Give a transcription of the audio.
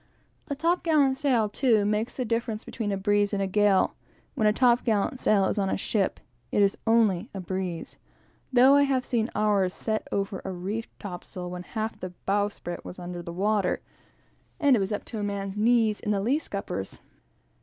A top gallant sail, too, makes the difference between a breeze and a gale. When a top gallant sail is on a ship, it is only a breeze, though I have seen ours set over a reefed topsail, when half the bowsprit was under water, and it was up to a man's knees in the scuppers.